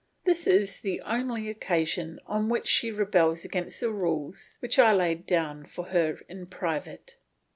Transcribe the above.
This is the only occasion on which she rebels against the rules which I laid down for her in private.